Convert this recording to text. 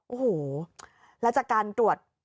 โอ้โหแล้วจากการตรวจ